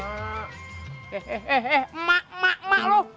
eh eh eh eh emak emak emak lu